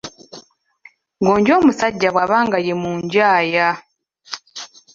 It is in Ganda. Ggonja omusajja bw'aba nga ye munjaaya.